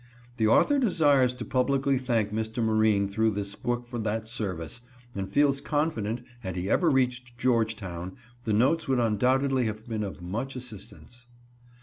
The author desires to publicly thank Mr. Marine through this book for that service, and feels confident, had he ever reached Georgetown, the notes would undoubtedly have been of much assistance.